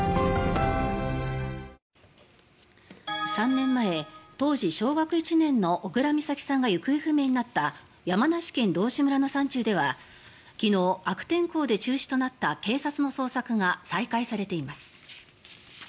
３年前、当時小学１年の小倉美咲さんが行方不明になった山梨県道志村の山中では昨日、悪天候で中止となった警察の捜索が再開されています。